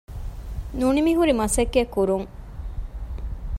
ނުނިމިހުރި މަސައްކަތްކުރުން